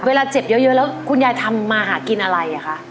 เวลาเจ็บเยอะแล้วคุณยายทำมาหากินอะไรอ่ะคะ